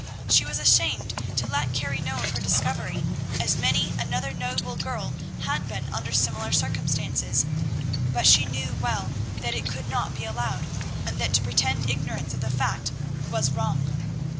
She was ashamed to let Carrie know of her discovery, as many another noble girl has been under similar circumstances, but she knew well that it could not be allowed, and that to pretend ignorance of the fact was wrong.